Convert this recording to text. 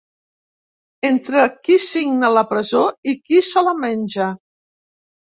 Entre qui signa la presó i qui se la menja.